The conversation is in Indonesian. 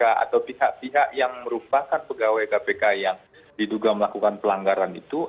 atau pihak pihak yang merupakan pegawai kpk yang diduga melakukan pelanggaran itu